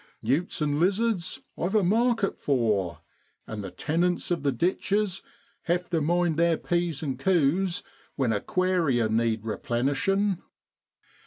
Newts and lizards I've a market for, and the tenants of the ditches have to mind their P's and Q's when aquaria need replenishing.'